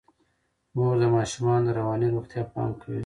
مور د ماشومانو د رواني روغتیا پام کوي.